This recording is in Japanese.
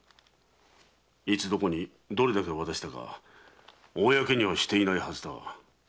いつどこにどれだけ渡したか公にはしていないはずだが。